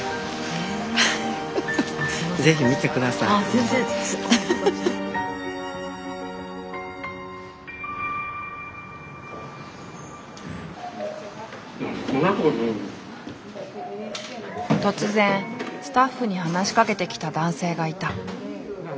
突然スタッフに話しかけてきた男性がいた。